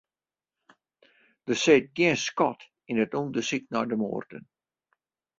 Der siet gjin skot yn it ûndersyk nei de moarden.